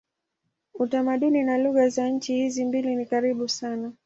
Utamaduni na lugha za nchi hizi mbili ni karibu sana.